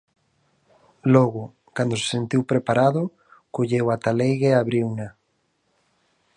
Logo, cando se sentiu preparado, colleu a taleiga e abriuna.